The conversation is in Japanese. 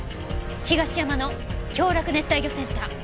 東山の京洛熱帯魚センター。